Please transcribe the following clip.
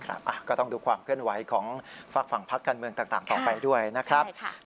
ก็ต้องดูความเคลื่อนไหวของฝากฝั่งพักการเมืองต่างต่อไปด้วยนะครับ